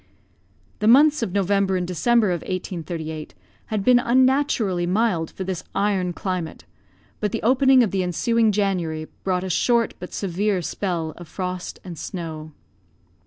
The months of November and December of 1838 had been unnaturally mild for this iron climate; but the opening of the ensuing January brought a short but severe spell of frost and snow.